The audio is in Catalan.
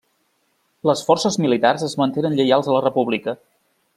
Les forces militars es mantenen lleials a la República.